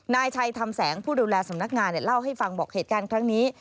นายชัยธรรมแสงผู้ดูแลสำนักงานเล่าให้ฟังบอกเหตุการณ์ครั้งนี้